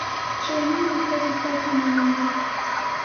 ښوونيز مرکز استاد هم امين دی.